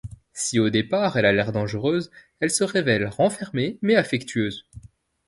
Si au départ, elle a l'air dangereuse, elle se révèle renfermée mais affectueuse.